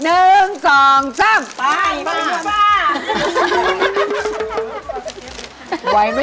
หนึ่งสองซ้ำยาดมนุษย์ป้า